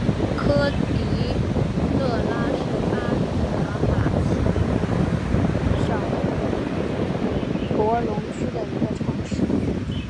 科迪勒拉是巴拿马奇里基省博克龙区的一个城市。